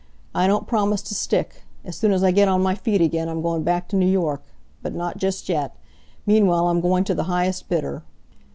I don't promise to stick. As soon as I get on my feet again I'm going back to New York. But not just yet. Meanwhile, I'm going to the highest bidder.'